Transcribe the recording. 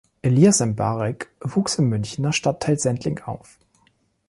Elyas M’Barek wuchs im Münchener Stadtteil Sendling auf.